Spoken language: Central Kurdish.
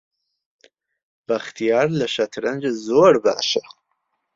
بەختیار لە شەترەنج زۆر باشە.